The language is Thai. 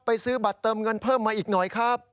ซื้อบัตรเติมเงินเพิ่มมาอีกหน่อยครับ